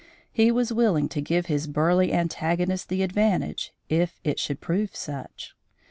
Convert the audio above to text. He was willing to give his burly antagonist the advantage, if it should prove such.